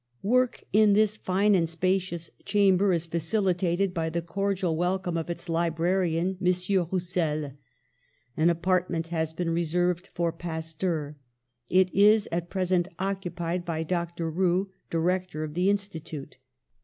Work in this fine and spacious chamber is facilitated by the cordial welcome of its librarian, M. Roussel. An apart ment has been reserved for Pasteur; it is at present occupied by Dr. Roux, director of the institute.